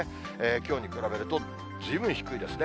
きょうに比べるとずいぶん低いですね。